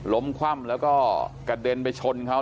คว่ำแล้วก็กระเด็นไปชนเขา